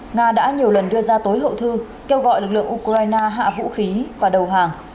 nga đã nhiều lần đưa ra tối hậu thư kêu gọi lực lượng ukraine hạ vũ khí và đầu hàng